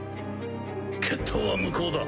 決闘は無効だ。